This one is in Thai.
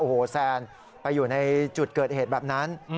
โอ้โหแซนไปอยู่ในจุดเกิดเหตุแบบนั้น